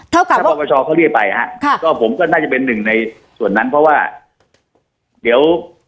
เท่ากับถ้าปรปชเขาเรียกไปฮะค่ะก็ผมก็น่าจะเป็นหนึ่งในส่วนนั้นเพราะว่าเดี๋ยว